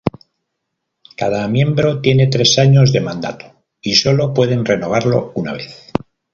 Cada miembro tiene tres años de mandato, y solo pueden renovarlo una vez.